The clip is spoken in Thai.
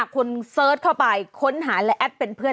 คุณเสิร์ชเข้าไปค้นหาและแอปเป็นเพื่อน